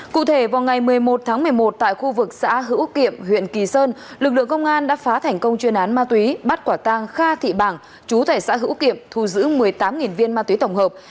cụ thể vào ngày một mươi một tháng một mươi một tại khu vực xã hữu kiệm huyện kỳ sơn lực lượng công an đã phá thành công chuyên án ma túy bắt quả tang kha thị bảng chú thẻ xã hữu kiệm thu giữ một mươi tám viên ma túy tổng hợp